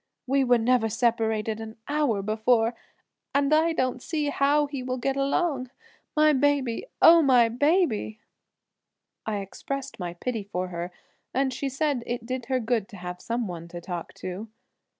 We were never separated an hour before, and I don't see how he will get along alone. My baby, oh, my baby!" I expressed my pity for her, and she said it did her good to have some one to talk to.